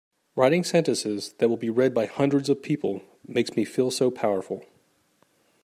Writing sentences that will be read by hundreds of people makes me feel so powerful!